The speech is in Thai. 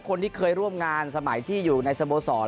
คนที่เคยร่วมงานสมัยที่อยู่ในสโมสร